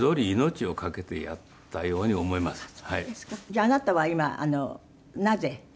じゃああなたは今なぜお名前を？